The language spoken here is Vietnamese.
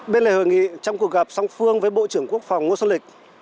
bên lề hội nghị trong cuộc gặp song phương với bộ trưởng quốc phòng ngo sơn lịch